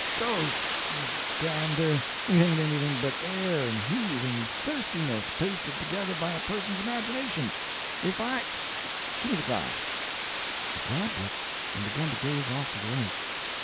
"Ghost, you gander! It ain't anything but air and heat and thirstiness pasted together by a person's imagination. If I—gimme the glass!" He grabbed it and begun to gaze off to the right.